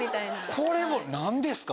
これは何ですか？